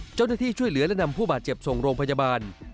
เจ้าหน้าที่ช่วยเหลือและนำผู้บาดเจ็บส่งโรงพยาบาล